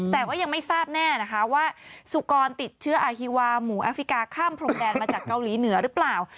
แต่ว่ายังไม่ทราบแน่นะคะว่าสุกรติดเชื้ออาฮีวาหมูแอฟริกาข้ามพรมแดนมาจากเกาหลีเหนือหรือเปล่า